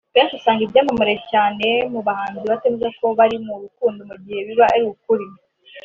Akenshi usanga ibyamamare cyane mu bahanzi batemeza ko bari mu rukundo mu gihe biba ari ukuri